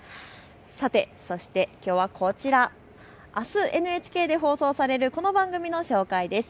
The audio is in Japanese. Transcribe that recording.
そしてきょうはこちら、あすＮＨＫで放送されるこの番組の紹介です。